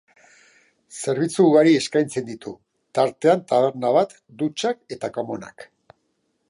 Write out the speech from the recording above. Zerbitzu ugari eskaintzen ditu, tartean taberna bat, dutxak eta komunak.